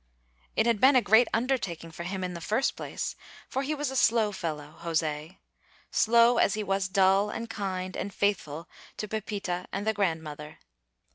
It had been a great undertaking for him in the first place, for he was a slow fellow José; slow as he was dull and kind and faithful to Pepita and the grandmother.